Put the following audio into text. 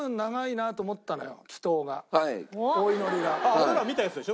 俺ら見たやつでしょ？